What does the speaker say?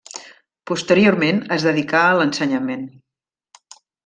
Posteriorment es dedicà a l'ensenyament.